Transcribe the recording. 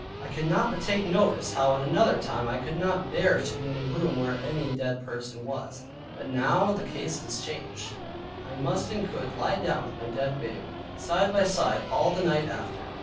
I cannot but take notice how at another time I could not bear to be in the room where any dead person was, but now the case is changed; I must and could lie down by my dead babe, side by side all the night after.